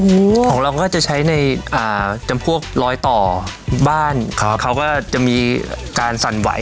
ของเราก็จะใช้ในอ่าจำพวกรอยต่อบ้านครับเขาก็จะมีการสั่นไหว